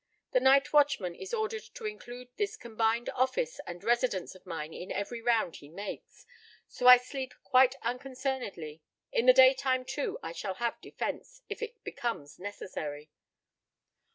The night watchman is ordered to include this combined office and residence of mine in every round he makes. So I sleep quite unconcernedly. In the daytime, too, I shall have defense, if it becomes necessary."